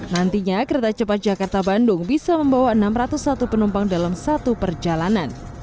nantinya kereta cepat jakarta bandung bisa membawa enam ratus satu penumpang dalam satu perjalanan